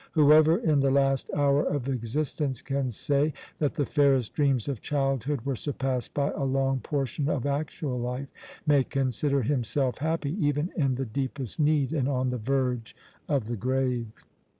Whoever, in the last hour of existence, can say that the fairest dreams of childhood were surpassed by a long portion of actual life, may consider himself happy, even in the deepest need and on the verge of the grave.